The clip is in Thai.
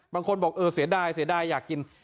บางคนบอกเออเสียดายเสียดายอยากกิน